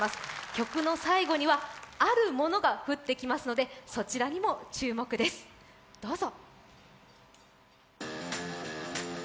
曲の最後にはあるものが降ってきますのでそちらにも注目です、どうぞ。